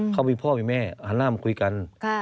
เขามีพ่อมีแม่หันหน้ามาคุยกัน